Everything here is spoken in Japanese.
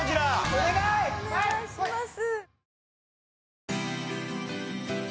お願いします。